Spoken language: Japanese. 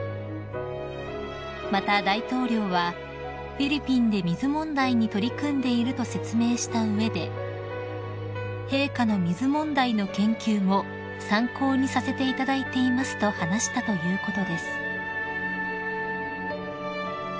［また大統領は「フィリピンで水問題に取り組んでいる」と説明した上で「陛下の水問題の研究も参考にさせていただいています」と話したということです］